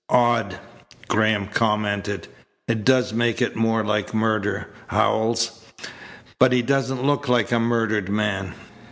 "Odd!" Graham commented. "It does make it more like murder, Howells. But he doesn't look like a murdered man."